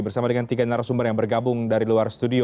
bersama dengan tiga narasumber yang bergabung dari luar studio